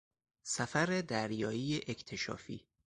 سفر دریایی اکتشافی